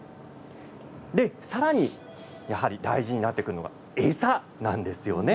さらにやはり大事になってくるのが餌なんですよね。